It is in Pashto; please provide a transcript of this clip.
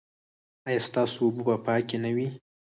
ایا ستاسو اوبه به پاکې نه وي؟